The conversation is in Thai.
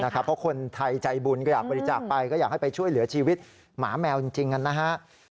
เพราะคนไทยใจบุญก็อยากบริจาคไปก็อยากให้ไปช่วยเหลือชีวิตหมาแมวจริงนะครับ